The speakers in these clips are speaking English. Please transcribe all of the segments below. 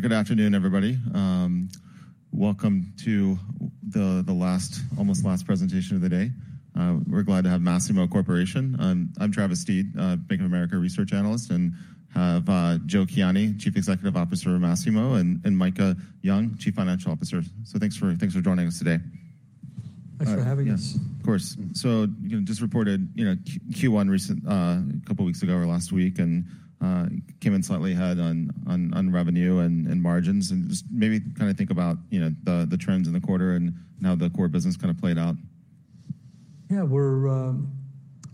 Good afternoon, everybody. Welcome to the last, almost last, presentation of the day. We're glad to have Masimo Corporation. I'm Travis Steed, Bank of America, Research Analyst, and have Joe Kiani, Chief Executive Officer of Masimo, and Micah Young, Chief Financial Officer. So thanks for joining us today. Thanks for having us. Of course. So, you know, just reported, you know, Q1 recent, a couple weeks ago or last week, and came in slightly ahead on revenue and margins. And just maybe kind of think about, you know, the trends in the quarter and how the core business kind of played out. Yeah, we're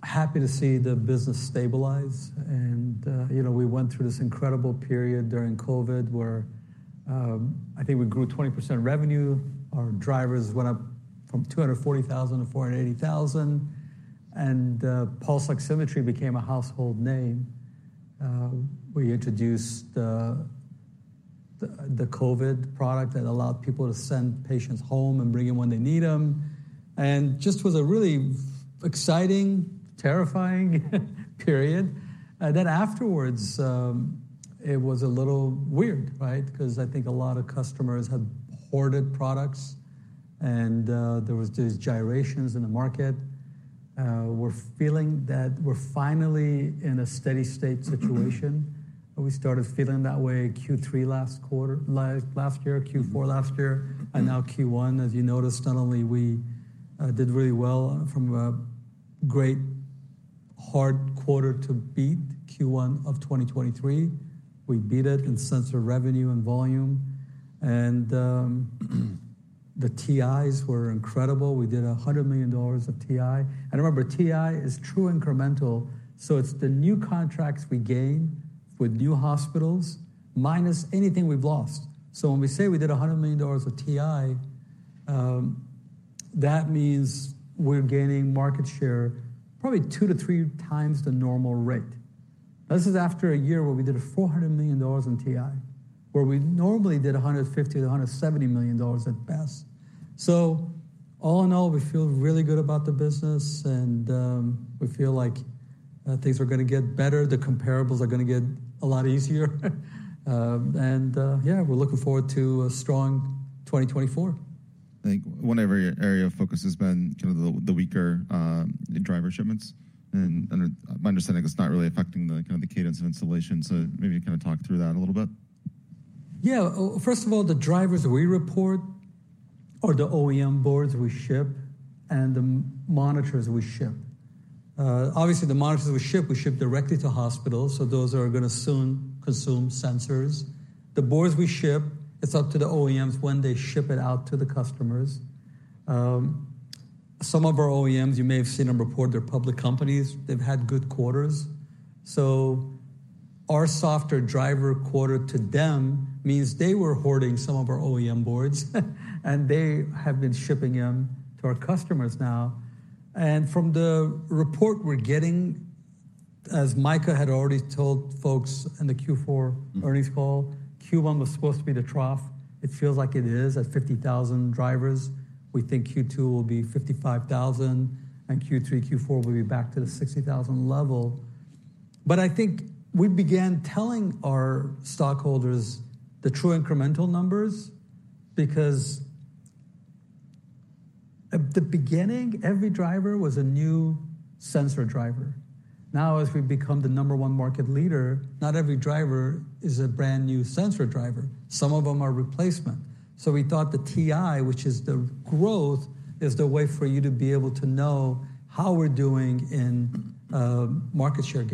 happy to see the business stabilize. And you know, we went through this incredible period during COVID where I think we grew 20% revenue. Our drivers went up from 240,000 to 480,000. And pulse oximetry became a household name. We introduced the COVID product that allowed people to send patients home and bring in when they need them. And just was a really exciting, terrifying period. Then afterwards, it was a little weird, right, 'cause I think a lot of customers had hoarded products, and there was these gyrations in the market. We're feeling that we're finally in a steady-state situation. We started feeling that way Q3 last quarter—last, last year, Q4 last year, and now Q1. As you noticed, not only we did really well from a great, hard quarter to beat Q1 of 2023, we beat it in sense of revenue and volume. The TIs were incredible. We did $100 million of TI. And remember, TI is true incremental. So it's the new contracts we gain with new hospitals minus anything we've lost. So when we say we did $100 million of TI, that means we're gaining market share probably two to three times the normal rate. This is after a year where we did $400 million in TI, where we normally did $150-$170 million at best. So all in all, we feel really good about the business, and we feel like things are gonna get better. The comparables are gonna get a lot easier. And yeah, we're looking forward to a strong 2024. Thank you. One other area of focus has been kind of the weaker driver shipments. Under my understanding, it's not really affecting the kind of the cadence of installation. So maybe you can kind of talk through that a little bit. Yeah. First of all, the drivers we report are the OEM boards we ship and the monitors we ship. Obviously, the monitors we ship, we ship directly to hospitals, so those are gonna soon consume sensors. The boards we ship, it's up to the OEMs when they ship it out to the customers. Some of our OEMs—you may have seen them report—they're public companies. They've had good quarters. So our softer driver quarter to them means they were hoarding some of our OEM boards, and they have been shipping them to our customers now. And from the report we're getting, as Micah had already told folks in the Q4 earnings call, Q1 was supposed to be the trough. It feels like it is at 50,000 drivers. We think Q2 will be 55,000, and Q3, Q4 will be back to the 60,000 level. But I think we began telling our stockholders the true incremental numbers because, at the beginning, every driver was a new sensor driver. Now, as we've become the number one market leader, not every driver is a brand new sensor driver. Some of them are replacement. So we thought the TI, which is the growth, is the way for you to be able to know how we're doing in market share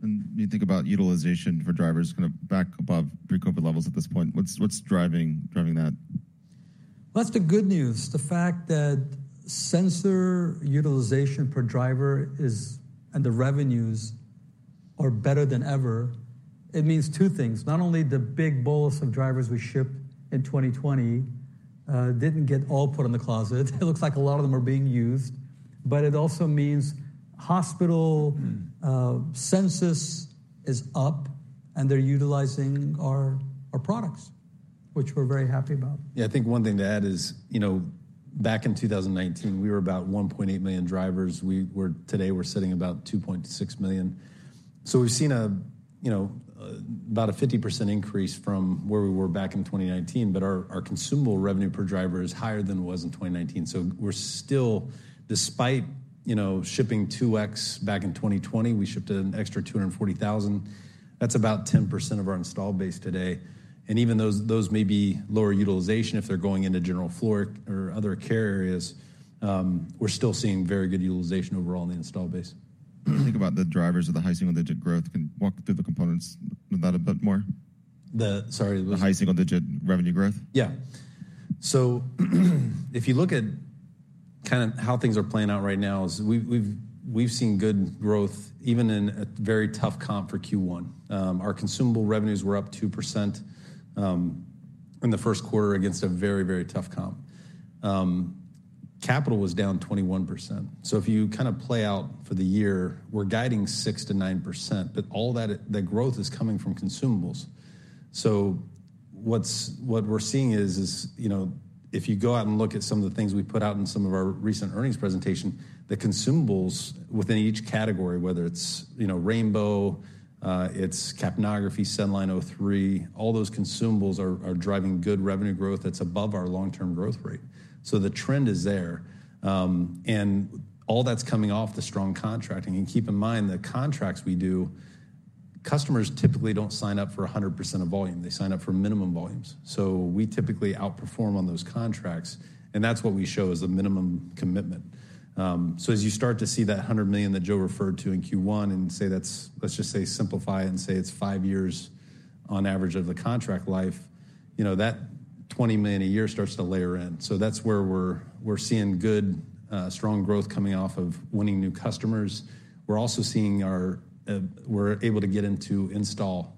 gains. When you think about utilization for drivers kind of back above pre-COVID levels at this point, what's driving that? Well, that's the good news. The fact that sensor utilization per driver is—and the revenues are better than ever—it means two things. Not only the big bolus of drivers we shipped in 2020 didn't get all put in the closet. It looks like a lot of them are being used. But it also means hospital census is up, and they're utilizing our products, which we're very happy about. Yeah. I think one thing to add is, you know, back in 2019, we were about 1.8 million drivers. We were, today, we're sitting about 2.6 million. So we've seen a, you know, about a 50% increase from where we were back in 2019. But our, our consumable revenue per driver is higher than it was in 2019. So we're still, despite, you know, shipping 2X back in 2020, we shipped an extra 240,000. That's about 10% of our install base today. And even those, those may be lower utilization if they're going into general floor or other care areas. We're still seeing very good utilization overall in the install base. Think about the drivers of the high single-digit growth. Can you walk through the components of that a bit more? The—sorry? The high single-digit revenue growth? Yeah. So if you look at kind of how things are playing out right now, is we've seen good growth even in a very tough comp for Q1. Our consumable revenues were up 2%, in the first quarter against a very, very tough comp. Capital was down 21%. So if you kind of play out for the year, we're guiding 6%-9%. But all that growth is coming from consumables. So what's what we're seeing is, you know, if you go out and look at some of the things we put out in some of our recent earnings presentation, the consumables within each category, whether it's, you know, Rainbow, it's capnography, SedLine, O3, all those consumables are driving good revenue growth that's above our long-term growth rate. So the trend is there. And all that's coming off the strong contracting. Keep in mind, the contracts we do, customers typically don't sign up for 100% of volume. They sign up for minimum volumes. So we typically outperform on those contracts. That's what we show as the minimum commitment. So as you start to see that $100 million that Joe referred to in Q1 and say that's, let's just say simplify it and say it's five years on average of the contract life, you know, that $20 million a year starts to layer in. So that's where we're, we're seeing good, strong growth coming off of winning new customers. We're also seeing our, we're able to get into install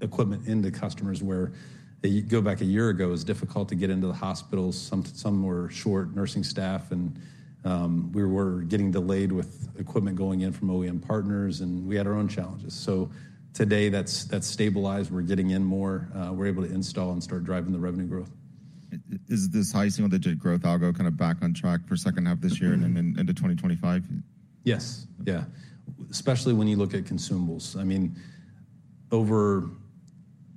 equipment into customers where they go back a year ago, it was difficult to get into the hospitals. Some, some were short nursing staff. We were getting delayed with equipment going in from OEM partners. We had our own challenges. So today, that's, that's stabilized. We're getting in more. We're able to install and start driving the revenue growth. Is this high single-digit growth algo kind of back on track for second half this year and into 2025? Yes. Yeah. Especially when you look at consumables. I mean, over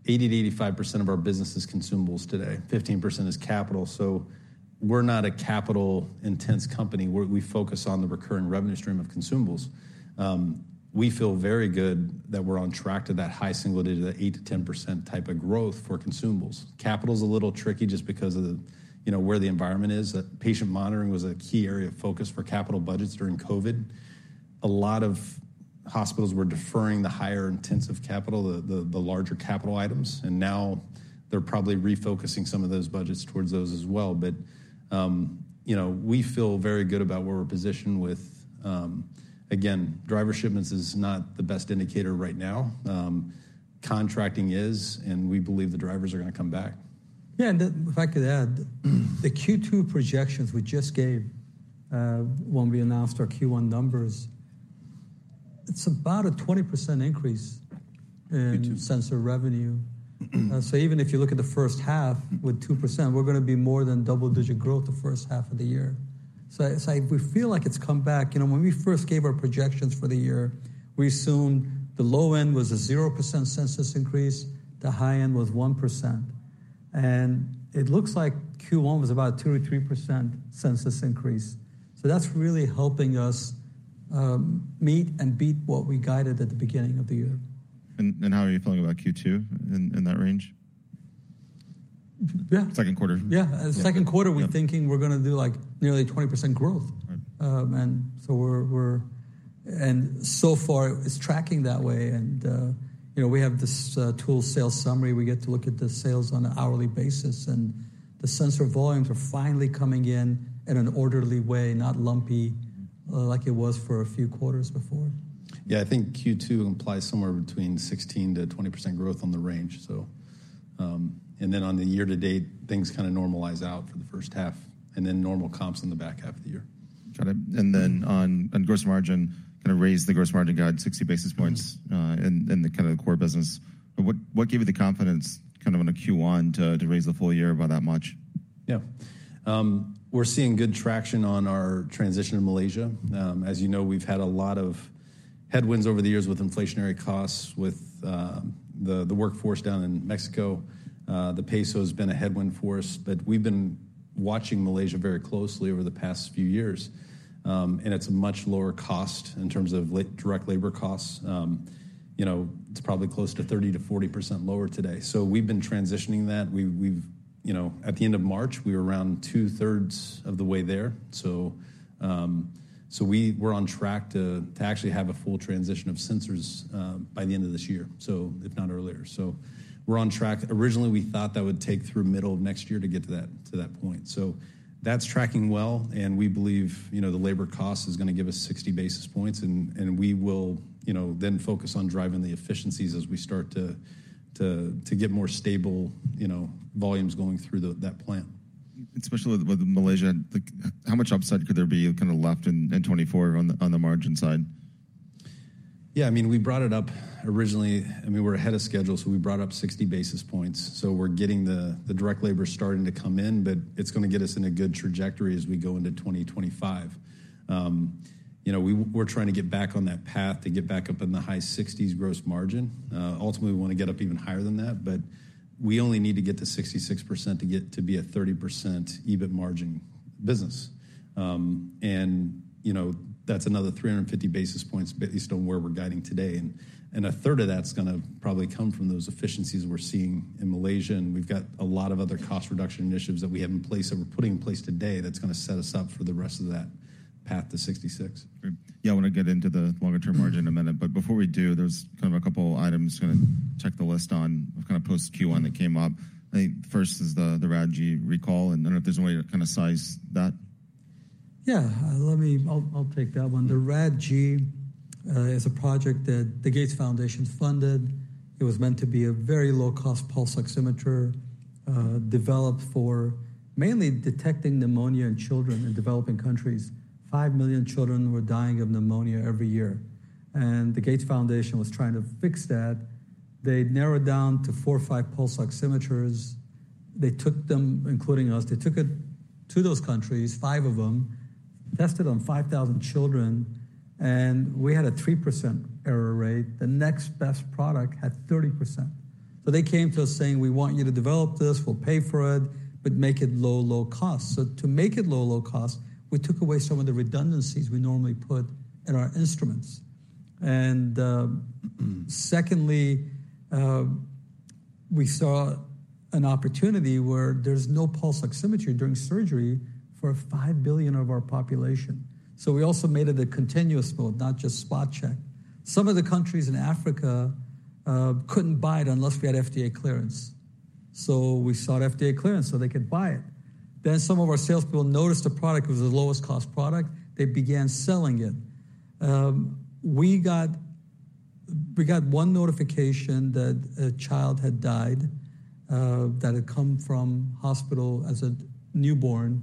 80%-85% of our business is consumables today. 15% is capital. So we're not a capital-intensive company. We're—we focus on the recurring revenue stream of consumables. We feel very good that we're on track to that high single-digit, that 8%-10% type of growth for consumables. Capital's a little tricky just because of the, you know, where the environment is. Patient monitoring was a key area of focus for capital budgets during COVID. A lot of hospitals were deferring the higher-intensive capital, the, the, the larger capital items. And now, they're probably refocusing some of those budgets towards those as well. But, you know, we feel very good about where we're positioned with, again, driver shipments is not the best indicator right now. Contracting is. And we believe the drivers are gonna come back. Yeah. If I could add, the Q2 projections we just gave, when we announced our Q1 numbers, it's about a 20% increase in. Q2. Sensor revenue. So even if you look at the first half with 2%, we're gonna be more than double-digit growth the first half of the year. So, so we feel like it's come back. You know, when we first gave our projections for the year, we assumed the low end was a 0% census increase. The high end was 1%. And it looks like Q1 was about a 2% or 3% census increase. So that's really helping us meet and beat what we guided at the beginning of the year. How are you feeling about Q2 in that range? Yeah. Second quarter? Yeah. Second quarter, we're thinking we're gonna do, like, nearly 20% growth. Right. And so far, it's tracking that way. And, you know, we have this tool sales summary. We get to look at the sales on an hourly basis. And the sensor volumes are finally coming in in an orderly way, not lumpy. Mm-hmm. like it was for a few quarters before. Yeah. I think Q2 implies somewhere between 16%-20% growth on the range, so and then on the year-to-date, things kind of normalize out for the first half and then normal comps in the back half of the year. Got it. And then on gross margin, kind of raise the gross margin guide 60 basis points. Mm-hmm. In the kind of the core business. What gave you the confidence kind of on a Q1 to raise the full year by that much? Yeah. We're seeing good traction on our transition in Malaysia. As you know, we've had a lot of headwinds over the years with inflationary costs, with the workforce down in Mexico. The peso's been a headwind for us. But we've been watching Malaysia very closely over the past few years. And it's a much lower cost in terms of the direct labor costs. You know, it's probably close to 30%-40% lower today. So we've been transitioning that. We've—you know, at the end of March, we were around two-thirds of the way there. So we were on track to actually have a full transition of sensors by the end of this year, so if not earlier. So we're on track. Originally, we thought that would take through the middle of next year to get to that point. So that's tracking well. We believe, you know, the labor cost is gonna give us 60 basis points. And we will, you know, then focus on driving the efficiencies as we start to get more stable, you know, volumes going through that plant. Especially with Malaysia, like, how much upside could there be kind of left in 2024 on the margin side? Yeah. I mean, we brought it up originally. I mean, we're ahead of schedule. So we brought up 60 basis points. So we're getting the direct labor starting to come in. But it's gonna get us in a good trajectory as we go into 2025. You know, we were trying to get back on that path to get back up in the high 60s gross margin. Ultimately, we wanna get up even higher than that. But we only need to get to 66% to get to be a 30% EBIT margin business. And, you know, that's another 350 basis points based on where we're guiding today. And a third of that's gonna probably come from those efficiencies we're seeing in Malaysia. We've got a lot of other cost reduction initiatives that we have in place that we're putting in place today that's gonna set us up for the rest of that path to 66. Great. Yeah. I wanna get into the longer-term margin in a minute. But before we do, there's kind of a couple items kind of check the list on of kind of post-Q1 that came up. I think the first is the Rad-G recall. I don't know if there's a way to kind of size that. Yeah. Let me. I'll, I'll take that one. The Rad-G is a project that the Gates Foundation funded. It was meant to be a very low-cost pulse oximeter, developed for mainly detecting pneumonia in children in developing countries. 5 million children were dying of pneumonia every year. And the Gates Foundation was trying to fix that. They narrowed down to four or five pulse oximeters. They took them, including us. They took it to those countries, five of them, tested on 5,000 children. And we had a 3% error rate. The next best product had 30%. So they came to us saying, "We want you to develop this. We'll pay for it. But make it low, low cost." So to make it low, low cost, we took away some of the redundancies we normally put in our instruments. Secondly, we saw an opportunity where there's no pulse oximetry during surgery for 5 billion of our population. So we also made it a continuous mode, not just spot check. Some of the countries in Africa couldn't buy it unless we had FDA clearance. So we sought FDA clearance so they could buy it. Then some of our salespeople noticed a product that was the lowest-cost product. They began selling it. We got one notification that a child had died, that had come from hospital as a newborn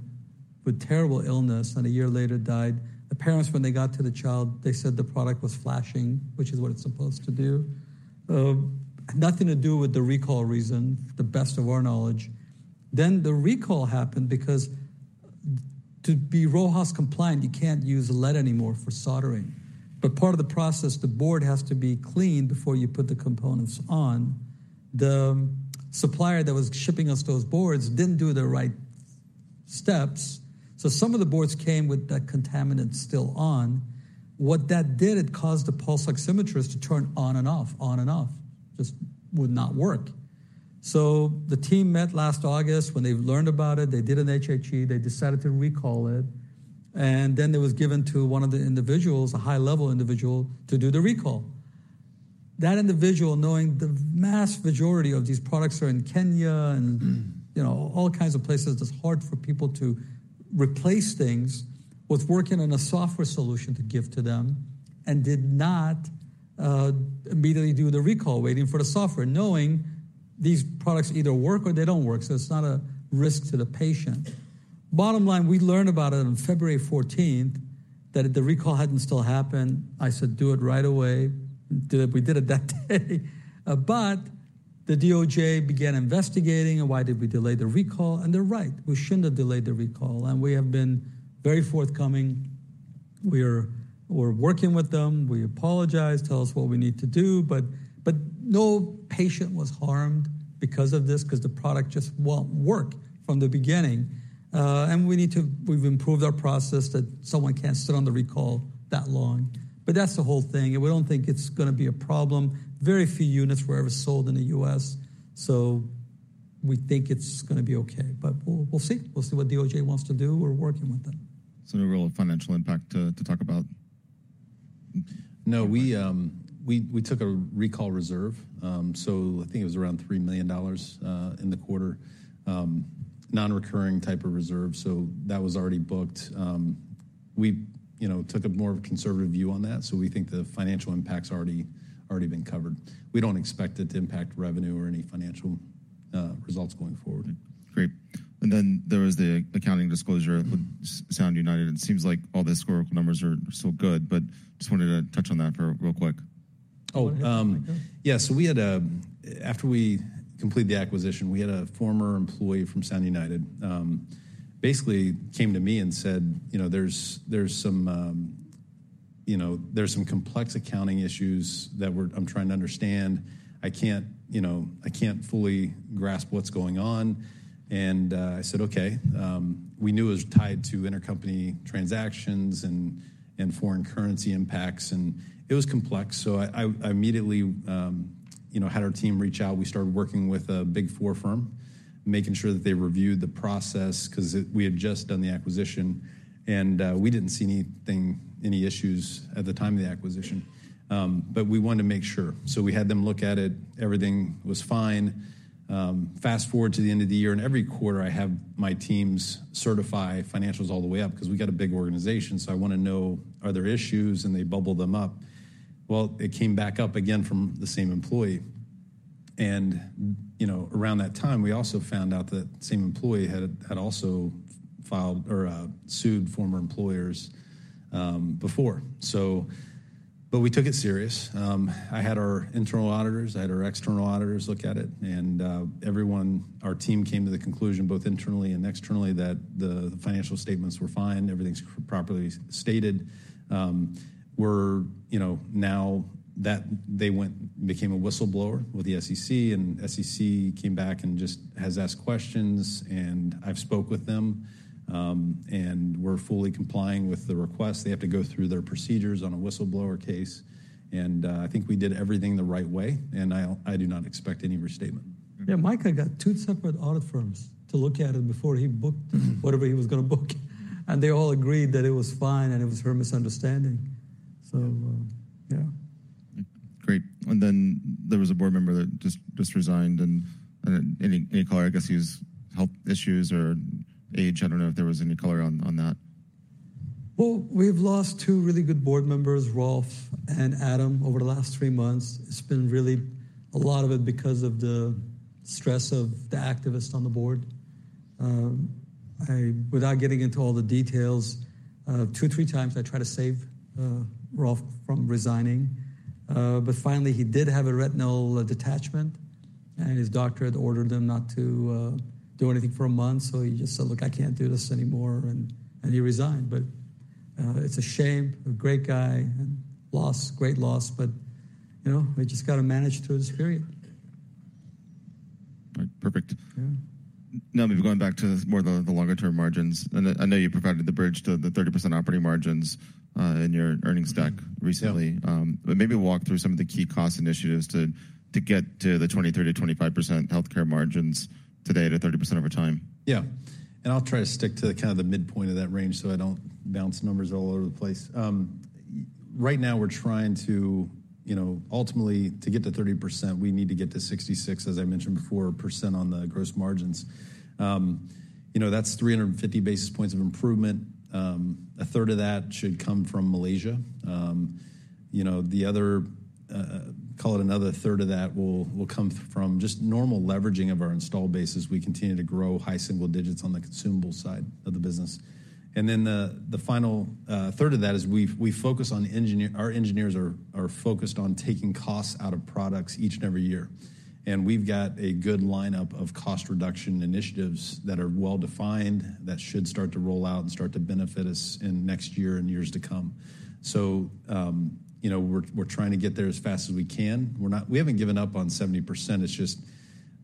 with terrible illness and a year later died. The parents, when they got to the child, they said the product was flashing, which is what it's supposed to do. Nothing to do with the recall reason, to the best of our knowledge. Then the recall happened because to be RoHS compliant, you can't use lead anymore for soldering. But part of the process, the board has to be cleaned before you put the components on. The supplier that was shipping us those boards didn't do the right steps. So some of the boards came with that contaminant still on. What that did, it caused the pulse oximeters to turn on and off, on and off. Just would not work. So the team met last August. When they learned about it, they did an HHE. They decided to recall it. Then it was given to one of the individuals, a high-level individual, to do the recall. That individual, knowing the vast majority of these products are in Kenya and, you know, all kinds of places, it's hard for people to replace things, was working on a software solution to give to them and did not immediately do the recall waiting for the software, knowing these products either work or they don't work. So it's not a risk to the patient. Bottom line, we learned about it on February 14th that the recall hadn't still happened. I said, "Do it right away." We did it that day. But the DOJ began investigating. And why did we delay the recall? And they're right. We shouldn't have delayed the recall. And we have been very forthcoming. We're working with them. We apologize. Tell us what we need to do. But no patient was harmed because of this 'cause the product just won't work from the beginning. We need to—we've improved our process that someone can't sit on the recall that long. But that's the whole thing. We don't think it's gonna be a problem. Very few units were ever sold in the U.S. So we think it's gonna be okay. But we'll, we'll see. We'll see what DOJ wants to do. We're working with them. Is there any real financial impact to talk about? No. We took a recall reserve. So I think it was around $3 million in the quarter. Non-recurring type of reserve. So that was already booked. We, you know, took a more of a conservative view on that. So we think the financial impact's already been covered. We don't expect it to impact revenue or any financial results going forward. Great. And then there was the accounting disclosure with Sound United. It seems like all the historical numbers are still good. But just wanted to touch on that for real quick. Oh. Go ahead. Yeah. So after we completed the acquisition, we had a former employee from Sound United, basically came to me and said, "You know, there's some, you know, there's some complex accounting issues that I'm trying to understand. I can't, you know, I can't fully grasp what's going on." And I said, "Okay." We knew it was tied to intercompany transactions and foreign currency impacts. And it was complex. So I immediately, you know, had our team reach out. We started working with a Big Four firm, making sure that they reviewed the process 'cause we had just done the acquisition. And we didn't see anything, any issues at the time of the acquisition. But we wanted to make sure. So we had them look at it. Everything was fine. Fast forward to the end of the year. Every quarter, I have my teams certify financials all the way up 'cause we got a big organization. So I wanna know, are there issues? They bubble them up. Well, it came back up again from the same employee. You know, around that time, we also found out that same employee had also filed or sued former employers before. So, but we took it serious. I had our internal auditors. I had our external auditors look at it. Everyone, our team came to the conclusion, both internally and externally, that the financial statements were fine. Everything's properly stated. We're, you know, now that they went, became a whistleblower with the SEC. SEC came back and just has asked questions. I've spoke with them. And we're fully complying with the request. They have to go through their procedures on a whistleblower case. I think we did everything the right way. I, I do not expect any restatement. Yeah. Micah got two separate audit firms to look at it before he booked whatever he was gonna book. And they all agreed that it was fine. And it was her misunderstanding. So, yeah. Great. And then there was a board member that just resigned. And any color, I guess, on health issues or age? I don't know if there was any color on that. Well, we've lost two really good board members, Rolf and Adam, over the last three months. It's been really a lot of it because of the stress of the activists on the board. I—without getting into all the details, two, three times, I tried to save Rolf from resigning. But finally, he did have a retinal detachment. And his doctor had ordered them not to do anything for a month. So he just said, "Look, I can't do this anymore." And he resigned. But it's a shame. A great guy. Great loss. But you know, we just got to manage through this period. All right. Perfect. Yeah. Now, maybe going back to more the longer-term margins. I know you provided the bridge to the 30% operating margins in your earnings deck recently. Yeah. Maybe walk through some of the key cost initiatives to get to the 23%-25% healthcare margins today at a 30% over time. Yeah. And I'll try to stick to the kind of the midpoint of that range so I don't bounce numbers all over the place. Right now, we're trying to, you know, ultimately, to get to 30%, we need to get to 66%, as I mentioned before, on the gross margins. You know, that's 350 basis points of improvement. A third of that should come from Malaysia. You know, the other, call it another third of that will come from just normal leveraging of our install basis. We continue to grow high single digits on the consumable side of the business. And then the final third of that is we've focused—our engineers are focused on taking costs out of products each and every year. And we've got a good lineup of cost reduction initiatives that are well-defined that should start to roll out and start to benefit us in next year and years to come. So, you know, we're, we're trying to get there as fast as we can. We're not—we haven't given up on 70%. It's just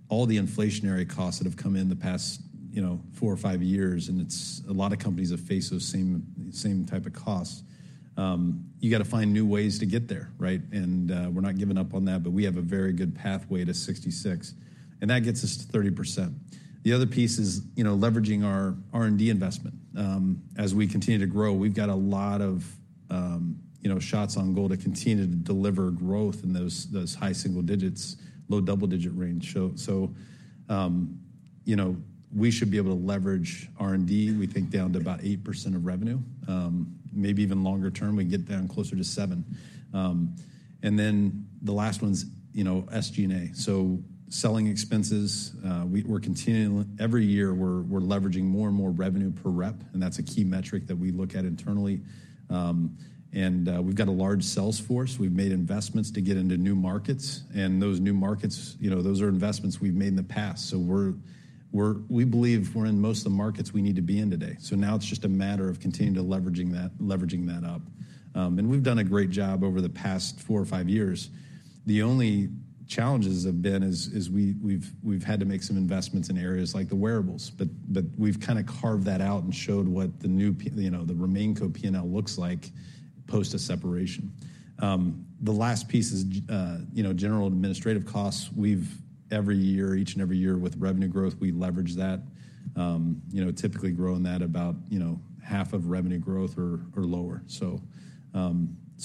all the inflationary costs that have come in the past, you know, four or five years. And it's a lot of companies have faced those same, same type of costs. You got to find new ways to get there, right? And, we're not giving up on that. But we have a very good pathway to 66. And that gets us to 30%. The other piece is, you know, leveraging our R&D investment. As we continue to grow, we've got a lot of, you know, shots on goal to continue to deliver growth in those, those high single digits, low double-digit range. So, you know, we should be able to leverage R&D, we think, down to about 8% of revenue. Maybe even longer term, we can get down closer to 7%. And then the last one's, you know, SG&A. So selling expenses, we're continuing every year, we're leveraging more and more revenue per rep. And that's a key metric that we look at internally. And we've got a large sales force. We've made investments to get into new markets. And those new markets, you know, those are investments we've made in the past. So we're—we believe we're in most of the markets we need to be in today. So now, it's just a matter of continuing to leveraging that up. And we've done a great job over the past 4 or 5 years. The only challenges have been that we've had to make some investments in areas like the wearables. But we've kind of carved that out and showed what the new—you know, the RemainCo P&L looks like post a separation. The last piece is, you know, general administrative costs. We've every year, each and every year with revenue growth, we leverage that. You know, typically, growing that about, you know, half of revenue growth or lower. So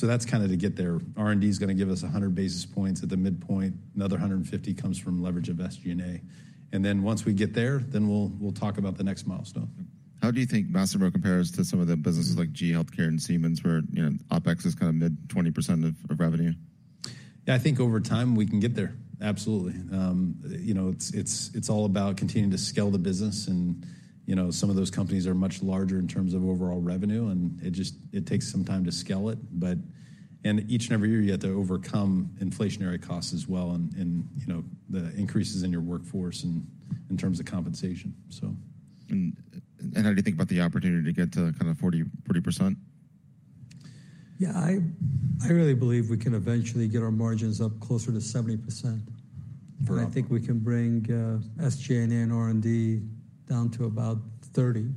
that's kind of to get there. R&D's gonna give us 100 basis points at the midpoint. Another 150 comes from leverage of SG&A. And then once we get there, we'll talk about the next milestone. How do you think Masimo compares to some of the businesses like GE Healthcare and Siemens where, you know, OPEX is kind of mid-20% of revenue? Yeah. I think over time, we can get there. Absolutely. You know, it's all about continuing to scale the business. And, you know, some of those companies are much larger in terms of overall revenue. And it just—it takes some time to scale it. But—and each and every year, you have to overcome inflationary costs as well and, you know, the increases in your workforce and in terms of compensation, so. How do you think about the opportunity to get to kind of 40, 40%? Yeah. I really believe we can eventually get our margins up closer to 70%. For Rolf? I think we can bring SG&A and R&D down to about 30%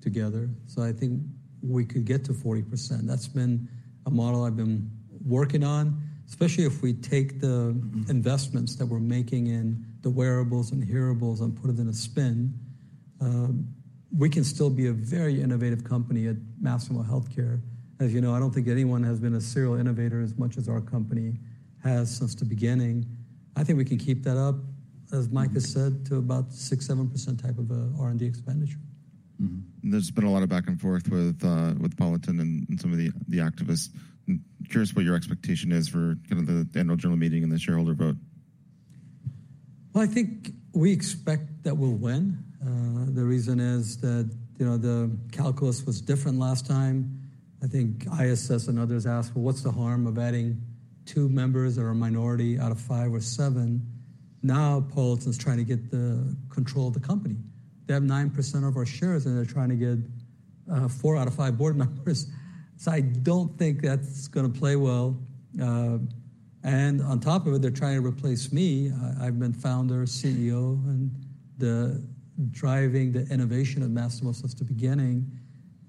together. So I think we could get to 40%. That's been a model I've been working on, especially if we take the investments that we're making in the wearables and hearables and put it in a spin. We can still be a very innovative company at Masimo Healthcare. As you know, I don't think anyone has been a serial innovator as much as our company has since the beginning. I think we can keep that up, as Micah said, to about 6%-7% type of a R&D expenditure. Mm-hmm. There's been a lot of back and forth with, Politan and, and some of the, the activists. I'm curious what your expectation is for kind of the annual general meeting and the shareholder vote. Well, I think we expect that we'll win. The reason is that, you know, the calculus was different last time. I think ISS and others asked, "Well, what's the harm of adding two members that are a minority out of five or seven?" Now, Politan's trying to get the control of the company. They have 9% of our shares. And they're trying to get four out of five board members. So I don't think that's gonna play well. And on top of it, they're trying to replace me. I, I've been founder, CEO, and the driving the innovation of Masimo since the beginning.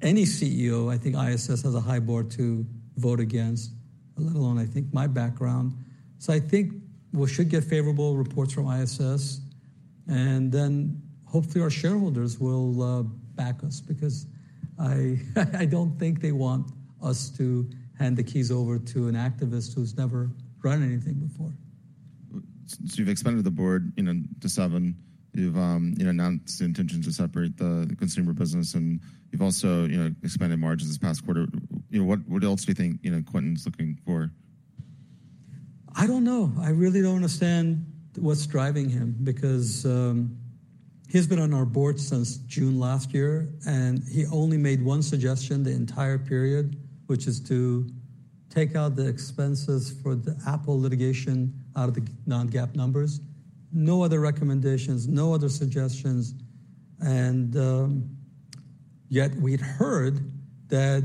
Any CEO, I think ISS has a high bar to vote against, let alone, I think, my background. So I think we should get favorable reports from ISS. Then hopefully, our shareholders will back us because I don't think they want us to hand the keys over to an activist who's never run anything before. So, you've expanded the board, you know, to seven. You've, you know, announced the intentions to separate the consumer business. And you've also, you know, expanded margins this past quarter. You know, what, what else do you think, you know, Quentin's looking for? I don't know. I really don't understand what's driving him because he's been on our board since June last year. He only made one suggestion the entire period, which is to take out the expenses for the Apple litigation out of the non-GAAP numbers. No other recommendations. No other suggestions. Yet we'd heard that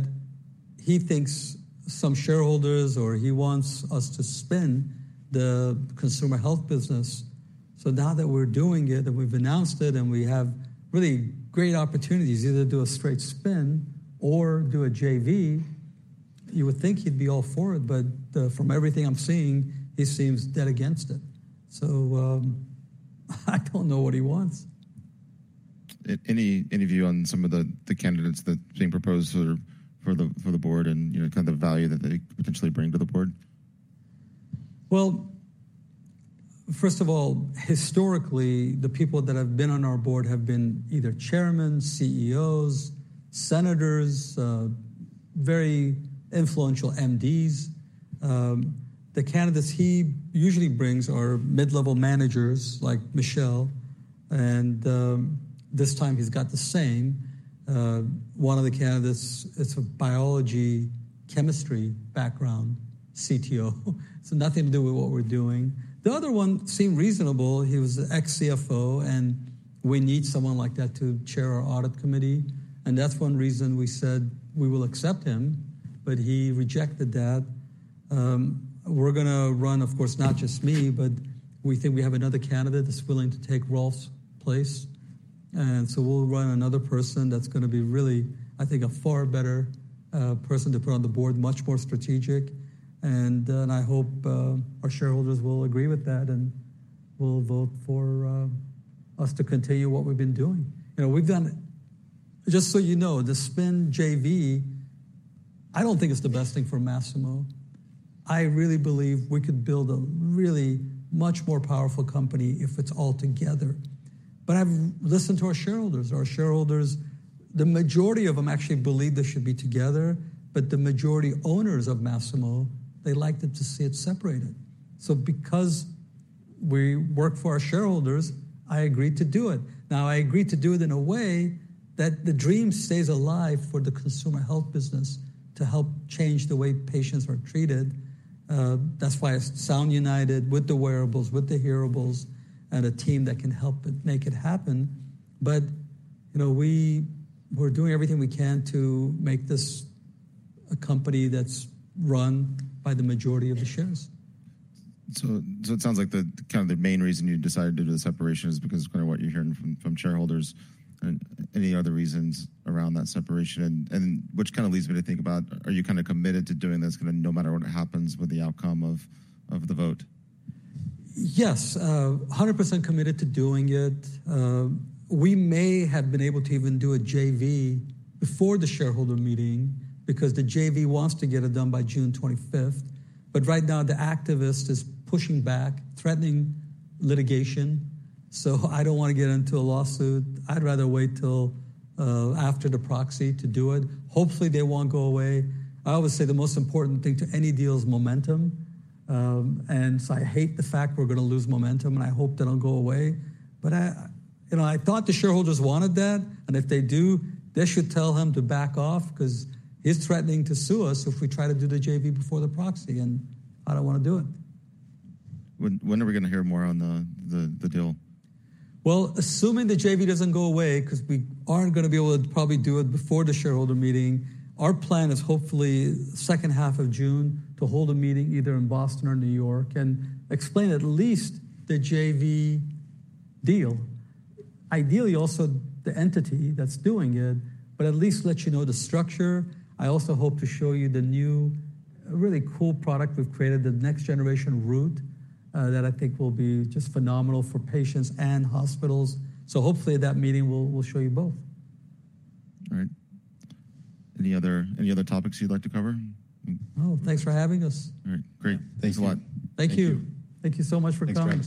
he thinks some shareholders or he wants us to spin the consumer health business. So now that we're doing it, that we've announced it, and we have really great opportunities either to do a straight spin or do a JV, you would think he'd be all for it. But from everything I'm seeing, he seems dead against it. So I don't know what he wants. Any view on some of the candidates that are being proposed for the board and, you know, kind of the value that they potentially bring to the board? Well, first of all, historically, the people that have been on our board have been either chairmen, CEOs, senators, very influential MDs. The candidates he usually brings are mid-level managers like Michelle. And this time, he's got the same. One of the candidates, it's a biology/chemistry background CTO. So nothing to do with what we're doing. The other one seemed reasonable. He was the ex-CFO. And we need someone like that to chair our audit committee. And that's one reason we said we will accept him. But he rejected that. We're gonna run, of course, not just me. But we think we have another candidate that's willing to take Rolf's place. And so we'll run another person that's gonna be really, I think, a far better person to put on the board, much more strategic. And I hope our shareholders will agree with that. We'll vote for us to continue what we've been doing. You know, we've done just so you know the spin JV. I don't think it's the best thing for Masimo. I really believe we could build a really much more powerful company if it's all together. But I've listened to our shareholders. Our shareholders, the majority of them actually believe they should be together. But the majority owners of Masimo, they like to see it separated. So because we work for our shareholders, I agreed to do it. Now, I agreed to do it in a way that the dream stays alive for the consumer health business to help change the way patients are treated. That's why it Sound United with the wearables, with the hearables, and a team that can help it make it happen. You know, we're doing everything we can to make this a company that's run by the majority of the shares. So, it sounds like the kind of main reason you decided to do the separation is because of kind of what you're hearing from shareholders and any other reasons around that separation. And which kind of leads me to think about, are you kind of committed to doing this kind of no matter what happens with the outcome of the vote? Yes. 100% committed to doing it. We may have been able to even do a JV before the shareholder meeting because the JV wants to get it done by June 25th. But right now, the activist is pushing back, threatening litigation. So I don't wanna get into a lawsuit. I'd rather wait till after the proxy to do it. Hopefully, they won't go away. I always say the most important thing to any deal is momentum. And so I hate the fact we're gonna lose momentum. And I hope that'll go away. But I, you know, I thought the shareholders wanted that. And if they do, they should tell him to back off 'cause he's threatening to sue us if we try to do the JV before the proxy. And I don't wanna do it. When are we gonna hear more on the deal? Well, assuming the JV doesn't go away 'cause we aren't gonna be able to probably do it before the shareholder meeting, our plan is hopefully second half of June to hold a meeting either in Boston or New York and explain at least the JV deal. Ideally, also the entity that's doing it. But at least let you know the structure. I also hope to show you the new, really cool product we've created, the next generation Root, that I think will be just phenomenal for patients and hospitals. So hopefully, at that meeting, we'll show you both. All right. Any other, any other topics you'd like to cover? Oh, thanks for having us. All right. Great. Thanks a lot. Thank you. Thank you. Thank you so much for coming.